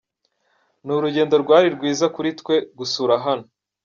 Ni urugendo rwari rwiza kuri twe gusura hano.